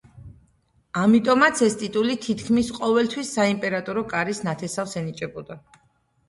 ამიტომაც, ეს ტიტული თითქმის ყოველთვის საიმპერატორო კარის ნათესავს ენიჭებოდა.